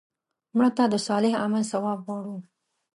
مړه ته د صالح عمل ثواب غواړو